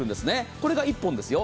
これが１本ですよ。